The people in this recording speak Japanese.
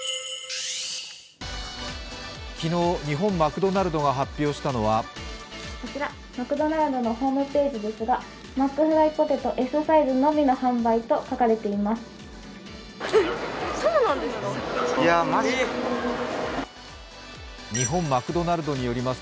昨日、日本マクドナルドが発表したのはこちら、マクドナルドのホームページですがマックフライポテトＳサイズのみの販売と書かれています。